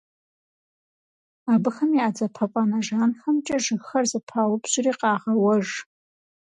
Абыхэм я дзапэфӀанэ жанхэмкӀэ жыгхэр зэпаупщӀри къагъэуэж.